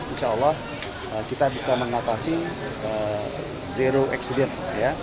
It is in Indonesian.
insya allah kita bisa mengatasi zero accident